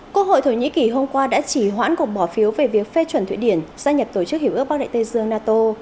quốc hội thổ nhĩ kỳ hôm qua đã chỉ hoãn cuộc bỏ phiếu về việc phê chuẩn thụy điển gia nhập tổ chức hiểu ước bắc đại tây dương nato